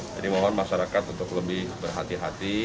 jadi mohon masyarakat untuk lebih berhati hati